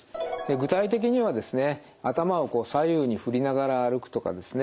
具体的にはですね頭を左右に振りながら歩くとかですね